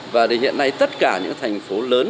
và hiện nay tất cả những thành phố lớn